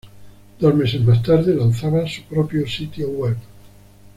Dos meses más tarde, lanzaba su propio sitio web.